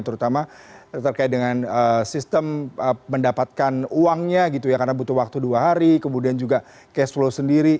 terutama terkait dengan sistem mendapatkan uangnya gitu ya karena butuh waktu dua hari kemudian juga cash flow sendiri